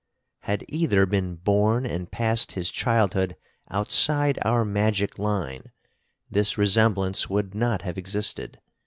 Had either been born and passed his childhood outside our magic line, this resemblance would not have existed.